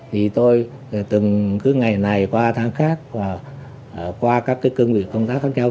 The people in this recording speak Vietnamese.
thì tôi từng cứ ngày này qua tháng khác và qua các cơ nguyện công tác khác nhau